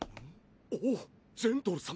おぉジェンドル様。